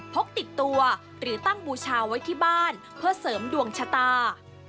พกติดตัวหรือตั้งบูชาไว้ที่บ้านเพื่อเสริมดวงชะตา